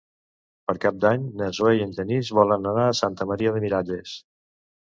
Per Cap d'Any na Zoè i en Genís volen anar a Santa Maria de Miralles.